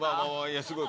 すごい。